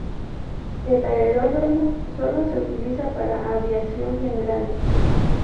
El aeródromo solo se utiliza para aviación general.